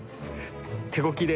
手こぎで。